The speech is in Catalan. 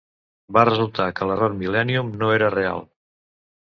Va resultar que l'error millennium no era real.